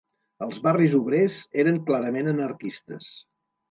Els barris obrers eren clarament anarquistes